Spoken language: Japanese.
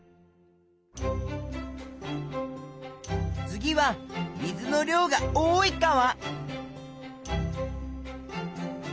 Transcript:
次は水の量が多い川。